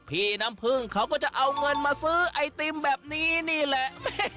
พี่น้ำพึ่งเขาก็จะเอาเงินมาซื้อไอติมแบบนี้นี่แหละ